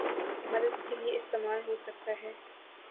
مدد کے لیے استعمال ہو سکتا ہے